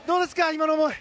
今の思い。